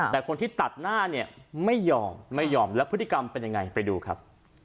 แต่คนที่ตัดหน้าเนี่ยไม่ยอมไม่ยอมแล้วพฤติกรรมเป็นยังไงไปดูครับ